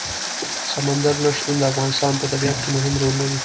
سمندر نه شتون د افغانستان په طبیعت کې مهم رول لري.